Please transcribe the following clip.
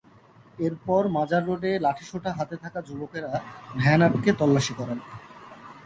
এরপর মাজার রোডে লাঠিসোঁটা হাতে থাকা যুবকেরা ভ্যান আটকে তল্লাশি করেন।